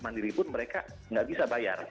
mandiri pun mereka nggak bisa bayar